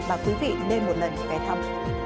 mà quý vị nên một lần ghé thăm